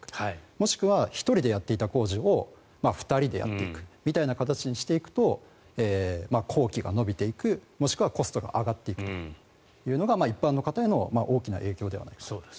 もしくは１人でやっていた工事を２人でやっていくみたいな形にしていくと工期が延びていく、もしくはコストが上がっていくというのが一般の方への大きな影響だと。